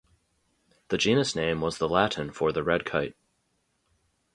The genus name was the Latin for the red kite.